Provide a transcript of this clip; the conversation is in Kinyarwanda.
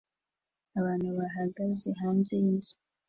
Abantu bahagaze hanze yinzu